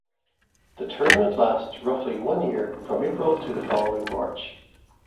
The tournament lasts roughly one year from April to the following March.